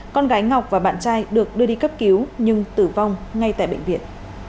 con gái ngọc và bạn trai được đưa đi cấp cứu nhưng tử vong ngay tại bệnh viện